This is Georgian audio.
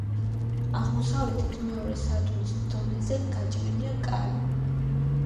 აღმოსავლეთით მეორე სართულის დონეზე გაჭრილია კარი.